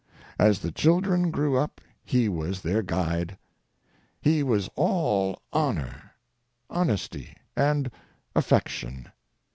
As the children grew up he was their guide. He was all honor, honesty, and affection.